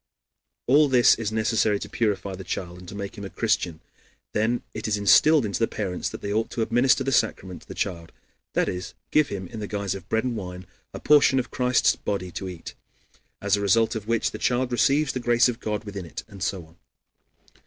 All this is necessary to purify the child and to make him a Christian. Then it is instilled into the parents that they ought to administer the sacrament to the child, that is, give him, in the guise of bread and wine, a portion of Christ's body to eat, as a result of which the child receives the grace of God within it, and so on.